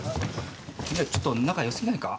君らちょっと仲良すぎないか？